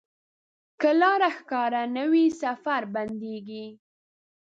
که لاره ښکاره نه وي، سفر بندېږي.